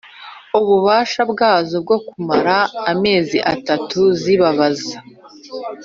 Ububasha bwazo bwo kumara amezi atanu zib abaza